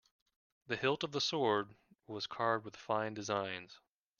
The hilt of the sword was carved with fine designs.